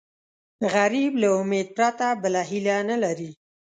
غریب له امید پرته بله هیله نه لري